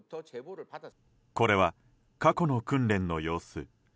これは過去の訓練の様子。